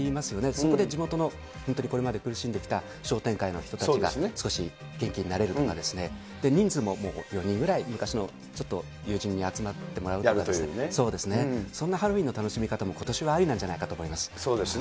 そこで地元の本当にこれまで苦しんできた商店会の人たちが少し元気になれるとかですね、人数も４人ぐらい、昔のちょっと友人に集まってもらうとか、そんなハロウィーンの楽しみ方もことしはありそうですね。